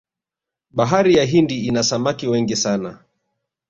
bahari ya hindi ina samaki wengi sana